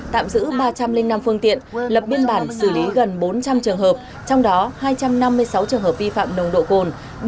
tạm giữ ba trăm linh năm phương tiện lập biên bản xử lý gần bốn trăm linh trường hợp trong đó hai trăm năm mươi sáu trường hợp vi phạm nồng độ cồn